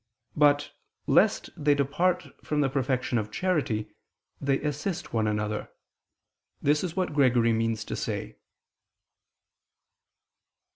But, lest they depart from the perfection of charity, they assist one another. This is what Gregory means to say.